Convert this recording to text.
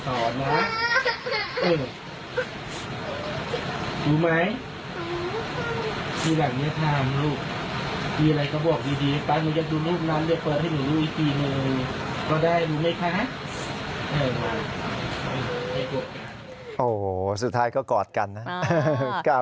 โอ้โหสุดท้ายก็กอดกันนะ